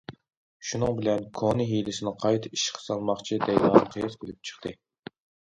شۇنىڭ بىلەن« كونا ھىيلىسىنى قايتا ئىشقا سالماقچى» دەيدىغان قىياس كېلىپ چىقتى.